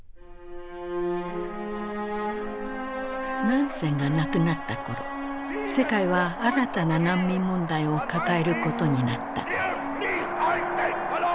ナンセンが亡くなった頃世界は新たな難民問題を抱えることになった。